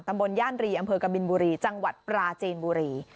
บนย่านรีอำเภอกบินบุรีจังหวัดปราจีนบุรี